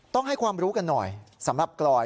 ต้องให้ความรู้กันหน่อยสำหรับกลอย